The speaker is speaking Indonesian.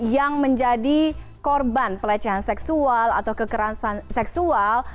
yang menjadi korban pelecehan seksual atau kekerasan seksual